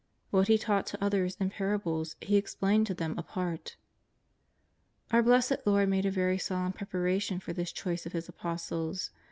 What He taught to others in parables He explained to them apart. Our Blessed Lord made a very solemn preparation for this choice of His Apostles.